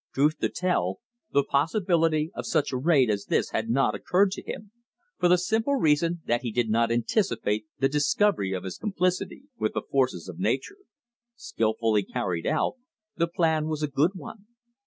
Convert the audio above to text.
Truth to tell, the possibility of such a raid as this had not occurred to him; for the simple reason that he did not anticipate the discovery of his complicity with the forces of nature. Skillfully carried out, the plan was a good one.